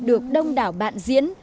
được đông đảo bạn diễn